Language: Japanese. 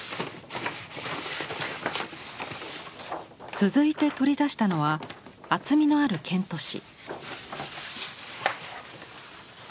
続いて取り出したのは厚みのあるケント紙。